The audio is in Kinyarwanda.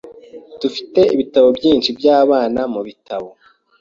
Dufite ibitabo byinshi byabana mubitabo.